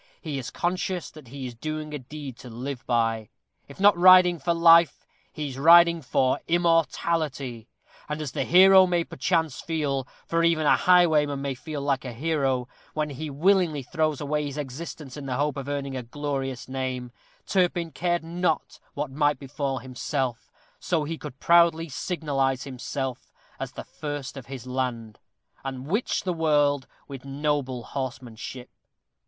He is conscious that he is doing a deed to live by. If not riding for life, he is riding for immortality; and as the hero may perchance feel for even a highwayman may feel like a hero, when he willingly throws away his existence in the hope of earning a glorious name, Turpin cared not what might befall himself, so he could proudly signalize himself as the first of his land, _And witch the world with noble horsemanship!